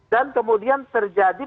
dan kemudian terjadi